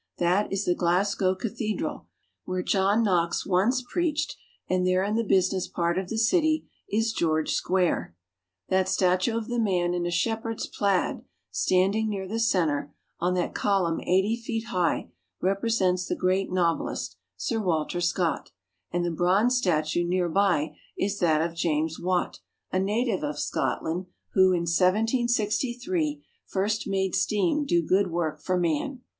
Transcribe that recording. That is the Glasgow cathedral, where John Knox once preached, and there in the business part of the city is George Square. That statue of the man in a shepherd's plaid, standing near the center, on that column eighty feet high, represents the great novelist, Sir Walter Scott, and the bronze statue near by is that of James Watt, a native of Scotland, who, in 1763, first made steam do good work for man.